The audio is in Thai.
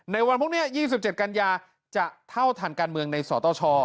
ในวันพรุ่งนี้๒๗กันยาจะเท่าทันการเมืองในสตช